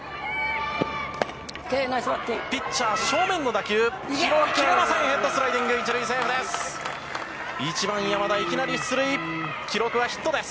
ピッチャー正面の打球、拾いきれません、ヘッドスライディング、１塁セーフです。